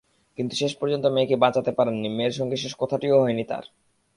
কিন্তু শেষ পর্যন্ত মেয়েকে বাঁচাতে পারেননি, মেয়ের সঙ্গে শেষ কথাটিও হয়নি তাঁর।